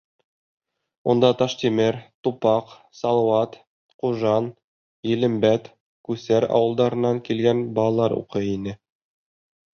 Унда Таштимер, Тупаҡ, Салауат, Ҡужан, Йәлембәт, Күсәр ауылдарынан килгән балалар уҡый ине.